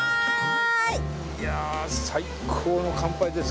いや最高の乾杯です